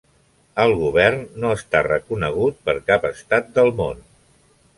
El govern no està reconegut per cap estat del món.